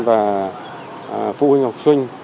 và phụ huynh học sinh